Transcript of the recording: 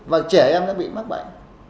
và trẻ em nó bị mắc bệnh